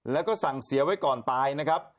แล้วก็สั่งเสียไว้ก่อนตายนะครับ